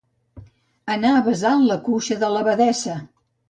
Anar a besar la cuixa de l'abadessa.